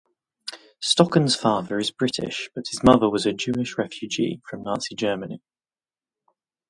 Stocken's father is British but his mother was a Jewish refugee from Nazi Germany.